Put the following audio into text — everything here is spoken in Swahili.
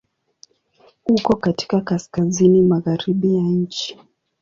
Uko katika kaskazini-magharibi ya nchi.